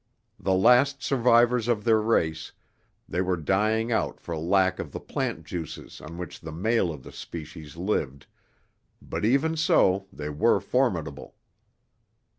The last survivors of their race, they were dying out for lack of the plant juices on which the male of the species lived, but even so they were formidable.